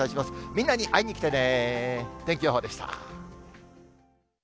みんなに会いに来てね。